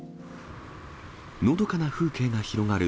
のどかな風景が広がる